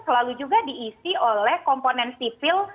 selalu juga diisi oleh komponen sipil